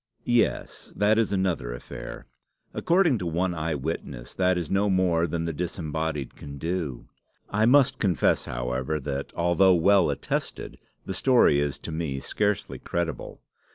"Yes that is another affair. According to one eyewitness that is no more than the disembodied can do. I must confess, however, that, although well attested, the story is to me scarcely credible.